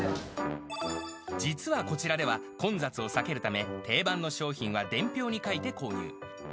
実はこちらでは、混雑を避けるため、定番の商品は伝票に書いて購入。